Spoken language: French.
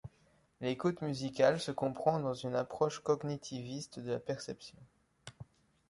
L'écoute musicale se comprend dans une approche cognitiviste de la perception.